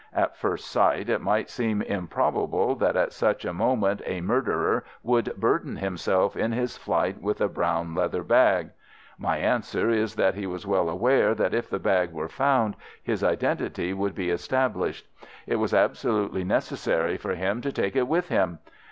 At first sight, it might seem improbable that at such a moment a murderer would burden himself in his flight with a brown leather bag. My answer is that he was well aware that if the bag were found his identity would be established. It was absolutely necessary for him to take it with him.